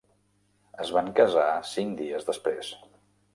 Es van casar cinc dies després.